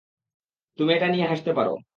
তুমি এটা নিয়ে হাসতে পারো।